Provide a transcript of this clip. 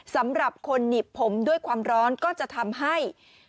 สำหรับคนหนีบผมด้วยความร้อนก็จะทำให้